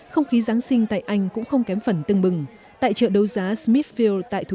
không khí giáng sinh tại anh cũng không kém phần tưng bừng tại chợ đấu giá smithfield tại thủ